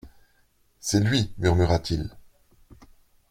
C'est lui ! murmura-t-il.